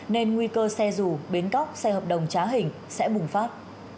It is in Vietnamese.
nên nguy cơ xe dù bến cóc xe hợp đồng trá hình sẽ bùng phát